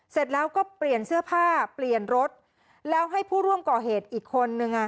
เสร็จแล้วก็เปลี่ยนเสื้อผ้าเปลี่ยนรถแล้วให้ผู้ร่วมก่อเหตุอีกคนนึงอ่ะ